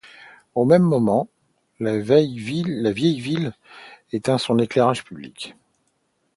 Au même moment, la vieille ville éteint son éclairage public.